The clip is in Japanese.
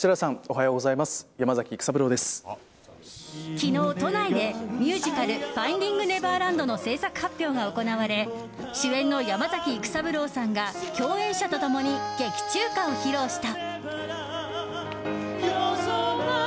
昨日、都内でミュージカル「ファインディング・ネバーランド」の制作発表が行われ主演の山崎育三郎さんが共演者と共に劇中歌を披露した。